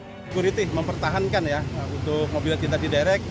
sekuriti mempertahankan ya untuk mobil yang kita diderek